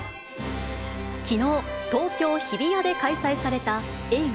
きのう、東京・日比谷で開催された、映画